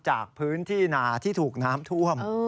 จากพื้นที่นาที่ถูกน้ำท่วม